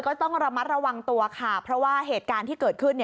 ก็ต้องระมัดระวังตัวค่ะเพราะว่าเหตุการณ์ที่เกิดขึ้น